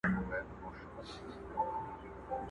حقیقت به مو شاهد وي او د حق په مخکي دواړه!.